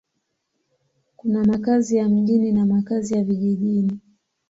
Kuna makazi ya mjini na makazi ya vijijini.